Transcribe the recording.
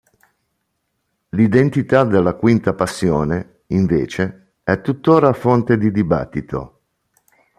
L'identità della quinta passione, invece, è tuttora fonte di dibattito.